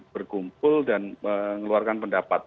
berkumpul dan mengeluarkan pendapat